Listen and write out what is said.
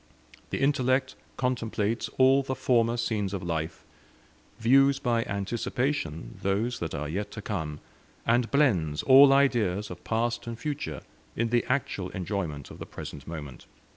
The intellect contemplates all the former scenes of life; views by anticipation those that are yet to come; and blends all ideas of past and future in the actual enjoyment of the present moment."